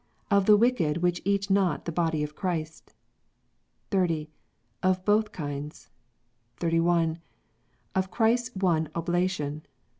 Of the Wicked which eat not the Body of Christ. 30. Of both kinds. 31. Of Christ s one Oblation.